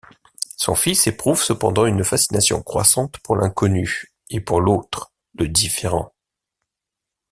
Son fils éprouve cependant une fascination croissante pour l'inconnu et pour l'autre, le différent.